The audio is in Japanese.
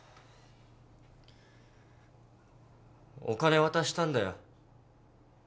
お金渡したんだよ。